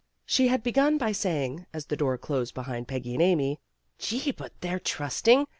She had begun by saying, as the door closed behind Peggy and Amy, "Gee, but they're trusting!